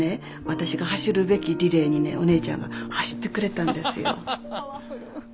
私が走るべきリレーにねお姉ちゃんが走ってくれたんですよ。